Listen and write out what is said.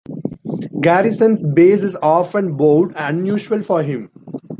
Garrison's bass is often bowed, unusual for him.